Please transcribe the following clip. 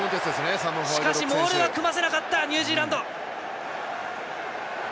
モールは組ませなかったニュージーランド。